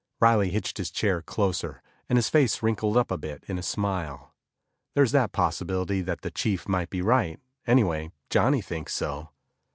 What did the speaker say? Riley hitched his chair closer, and his face wrinkled up a bit in a smile. "There's that possibility that the chief might be right, anyway Johnny thinks so."